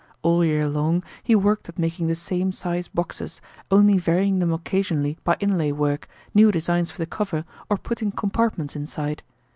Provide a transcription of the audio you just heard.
All year long he worked at making the same size boxes, only varying them occasionally by inlay work, new designs for the cover, or putting compartments inside.